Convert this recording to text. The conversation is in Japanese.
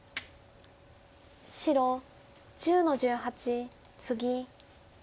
白１０の十八ツギ。